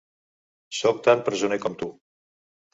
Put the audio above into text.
Sóc tan presoner com tu.